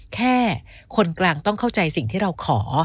แค่คนกลางต้องเข้าใจสิ่งที่เราขอ